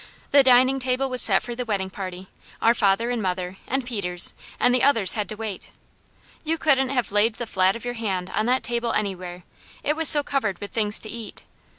The dining table was set for the wedding party, our father and mother, and Peter's, and the others had to wait. You couldn't have laid the flat of your hand on that table anywhere, it was so covered with things to eat.